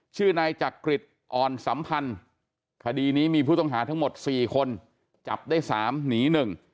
ชื่อนายจักริตอ่อนสัมพันธ์คดีนี้มีผู้ต้องหาทั้งหมดสี่คนจับได้สามหนีหนึ่ง